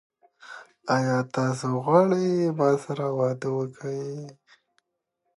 ازادي راډیو د سوداګریز تړونونه د مثبتو اړخونو یادونه کړې.